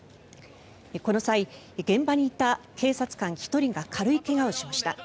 この際、現場にいた警察官１人が軽い怪我をしました。